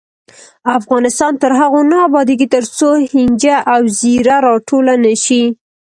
افغانستان تر هغو نه ابادیږي، ترڅو هینجه او زیره راټوله نشي.